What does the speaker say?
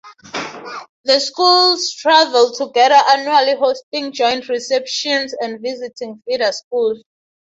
The schools travel together annually, hosting joint receptions and visiting feeder schools.